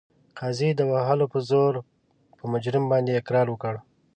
قاضي د وهلو په زور په مجرم باندې اقرار وکړ.